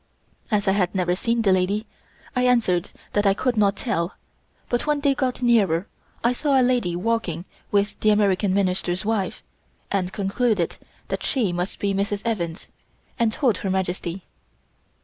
As I had never seen the lady, I answered that I could not tell, but when they got nearer I saw a lady walking with the American Minister's wife, and concluded that she must be Mrs. Evans, and told Her Majesty.